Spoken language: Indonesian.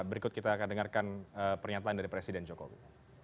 berikut kita akan dengarkan pernyataan dari presiden jokowi